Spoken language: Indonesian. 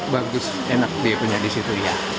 bagus enak dia punya di situ ya